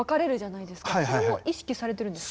それも意識されてるんですか？